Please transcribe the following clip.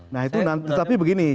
nah itu nanti tapi begini